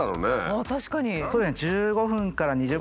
ああ確かに。